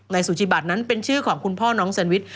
สุจิบัตรนั้นเป็นชื่อของคุณพ่อน้องแซนวิช